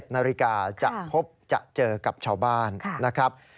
๑นาฬิกาจะพบจะเจอกับชาวบ้านนะครับ